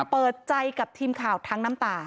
เปิดใจกับทีมข่าวทั้งน้ำตา